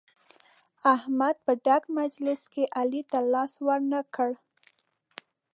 احمد په ډک مجلس کې علي ته لاس ور نه کړ.